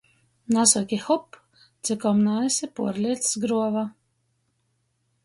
Nasoki “hop”, cikom naesi puorliecs gruova.